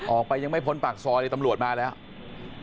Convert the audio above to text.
ออกไปยังไม่พ้นปากซอยเลยตำรวจมาแล้ว